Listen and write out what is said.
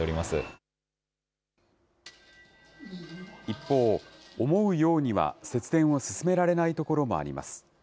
一方、思うようには節電を進められないところもあります。